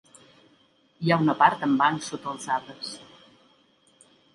Hi ha una part amb bancs sota els arbres.